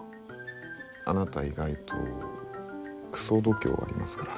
あなた意外とくそ度胸ありますから。